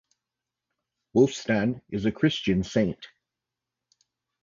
Wulfstan is a Christian saint.